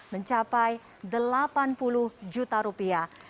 mencapai delapan puluh juta rupiah